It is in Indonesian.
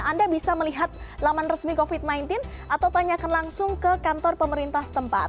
anda bisa melihat laman resmi covid sembilan belas atau tanyakan langsung ke kantor pemerintah tempat